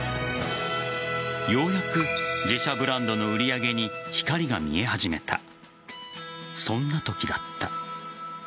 ようやく自社ブランドの売り上げに光が見え始めたそんなときだった。